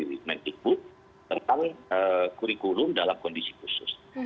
dari menteri keput tentang kurikulum dalam kondisi khusus